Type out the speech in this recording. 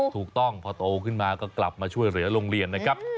ถูกต้องพอโตขึ้นมาก็กลับมาช่วยเหลือโรงเรียนนะครับ